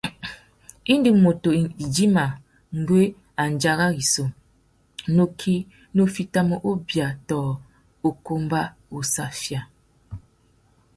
Indi mutu idjima ngüi andjara rissú, nukí nù fitimú ubia tô ukumba wussafia.